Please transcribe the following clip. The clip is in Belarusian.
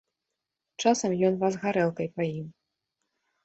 Часам ён вас гарэлкай паіў.